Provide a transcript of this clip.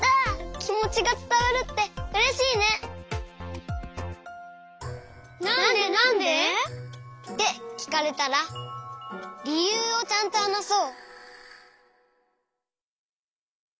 きもちがつたわるってうれしいね！ってきかれたらりゆうをちゃんとはなそう。